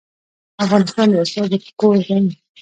افغانستان د استادانو کور و.